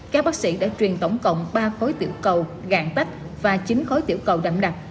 các bác sĩ đã truyền tổng cộng ba khối tiểu cầu gạn tách và chín khối tiểu cầu đậm đặc